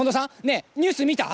ねえニュース見た？